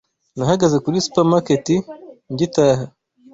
Nahagaze kuri supermarket ngitaha.